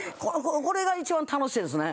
これが一番楽しいですね。